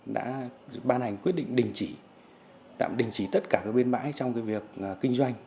đã ban hành quyết định đình chỉ tạm đình chỉ tất cả các bên bãi trong việc kinh doanh